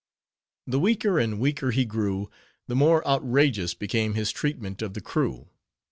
The weaker and weaker he grew, the more outrageous became his treatment of the crew.